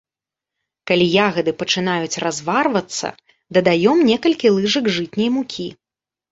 Калі ягады пачынаюць разварвацца, дадаём некалькі лыжак жытняй мукі.